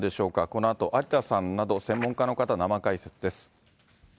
このあと、有田さんなど専門家の方、生解説です。